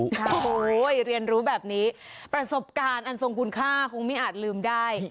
โอ้โหเรียนรู้แบบนี้ประสบการณ์อันทรงคุณค่าคงไม่อาจลืมได้